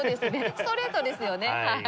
ストレートですよね。